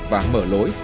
và mở lối